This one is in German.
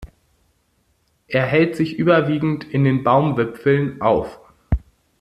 Er hält sich überwiegend in den Baumwipfeln auf.